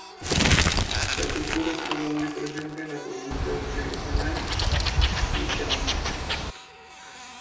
La cultura estuvo muy presente en las provincias de Henan y Shanxi.